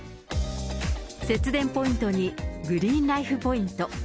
節電ポイントにグリーンライフ・ポイント。